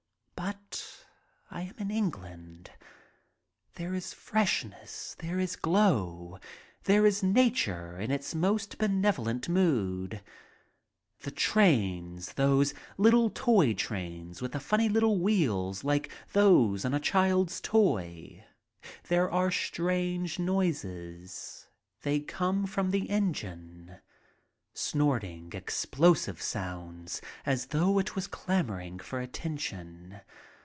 But I am in England. There is freshness. There is glow. There is nature in its most benevolent mood. The trains, those little toy trains with the funny little wheels like those on a child's toy. There are strange noises. They come from the engine — snorting, explosive sounds, as though it was clamoring for attention.